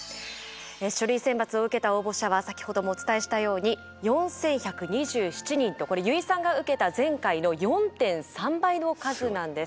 書類選抜を受けた応募者は先ほどもお伝えしたように４，１２７人とこれ油井さんが受けた前回の４．３倍の数なんです。